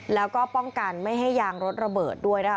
แล้วก็ป้องกันไม่ให้ยางรถระเบิดด้วยนะคะ